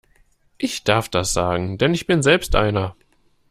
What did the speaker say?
Ich darf das sagen, denn ich bin selbst einer!